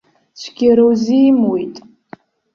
Цәгьара узимуит.